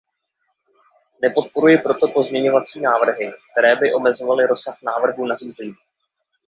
Nepodporuji proto pozměňovací návrhy, které by omezovaly rozsah návrhu nařízení.